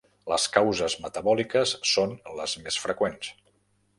Les causes metabòliques són les més freqüents.